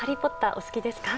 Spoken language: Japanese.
お好きですか？